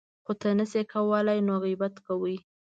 خو نه شي کولی نو غیبت کوي .